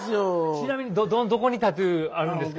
ちなみにどこにタトゥーあるんですか？